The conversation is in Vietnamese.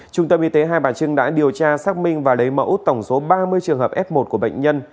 trung tâm y tế hai bà trưng đã điều tra xác minh và lấy mẫu tổng số ba mươi trường hợp f một của bệnh nhân